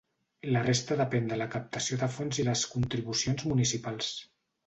La resta depèn de la captació de fons i les contribucions municipals.